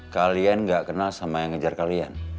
kalian gak kenal sama yang ngejar kalian